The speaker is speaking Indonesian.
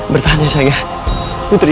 bertahan ya sayang putri